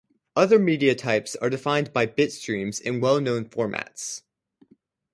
Other media types are defined for bytestreams in well-known formats.